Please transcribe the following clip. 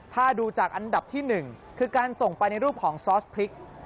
ถ้าดูจากอันดับที่๑คือการส่งไปในรูปของซอสพริก